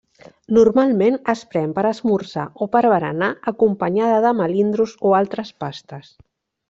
Normalment es pren per esmorzar o per berenar acompanyada de melindros o altres pastes.